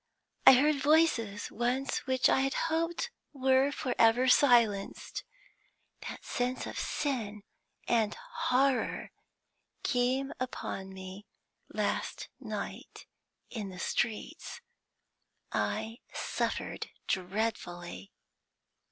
I heard voices once which I had hoped were for ever silenced. That sense of sin and horror came upon me last night in the streets. I suffered dreadfully."